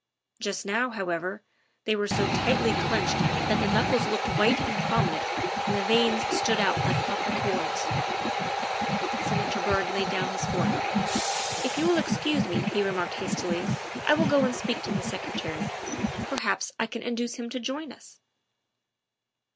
Just now, however, they were so tightly clinched that the knuckles looked white and prominent and the veins stood out like purple cords. Senator Byrd laid down his fork. THE SECRETARY OF STATE 17 " If you will excuse me," he remarked hastily, " I will go and speak to the Secretary ; perhaps I can induce him to join us."